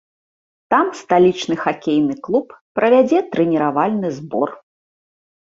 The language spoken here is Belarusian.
Там сталічны хакейны клуб правядзе трэніравальны збор.